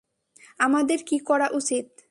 আমাদের কি করা উচিৎ?